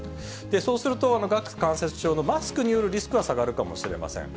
そうすると、顎関節症のマスクによるリスクは下がるかもしれません。